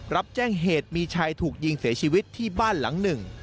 รับแจ้งเหตุมีชายถูกยิงเสียชีวิตที่บ้านหลังหนึ่ง